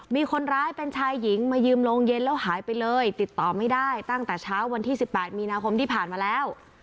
มีคนร้ายเป็นชายหญิงมายืมโรงเย็นแล้วหายไปเลยติดต่อไม่ได้ตั้งแต่เช้าวันที่๑๘มีนาคมที่ผ่านมาแล้ว